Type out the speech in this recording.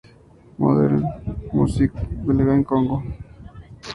Modern Music of the Belgian Congo".